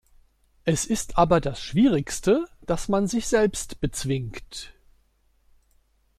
Es ist aber das schwierigste, dass man sich selbst bezwingt.